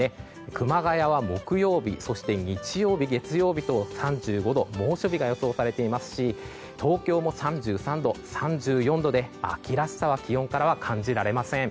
熊谷は木曜日、日曜日、月曜日と３５度、猛暑日が予想されていますし東京も３３度、３４度で秋らしさは気温からは感じられません。